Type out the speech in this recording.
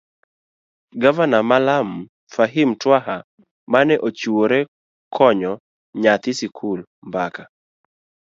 gavana ma Lamu, Fahim Twaha mane ochiwre konyo nyathi sikul. mbaka